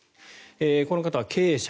この方は経営者。